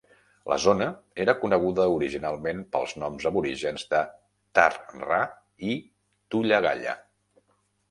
La zona era coneguda originalment pels noms aborígens de Tar-ra i Tullagalla.